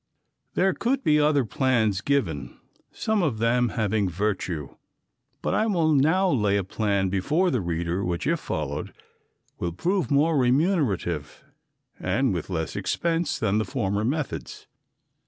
There could be other plans given, some of them having virtue, but I will now lay a plan before the reader which if followed will prove more remunerative, and with less expense, than the former methods.